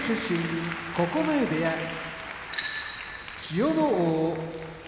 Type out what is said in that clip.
九重部屋千代ノ皇